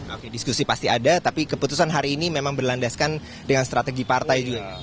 oke diskusi pasti ada tapi keputusan hari ini memang berlandaskan dengan strategi partai juga